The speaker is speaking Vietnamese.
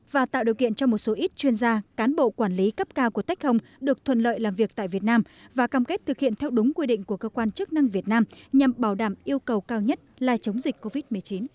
và tạo điều kiện cho một số ít chuyên gia cán bộ quản lý cấp cao của tech home được thuần lợi làm việc tại việt nam và cam kết thực hiện theo đúng quy định của cơ quan chức năng việt nam nhằm bảo đảm yêu cầu cao nhất là chống dịch covid một mươi chín